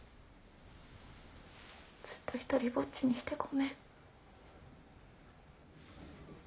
ずっと独りぼっちにしてごめん。